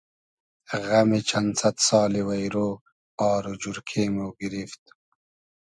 غئمی چئن سئد سالی وݷرۉ آر و جورکې مۉ گیریفت